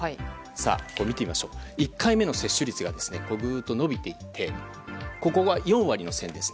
さあ、１回目の接種率がぐっと伸びていって４割の線です。